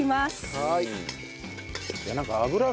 はい。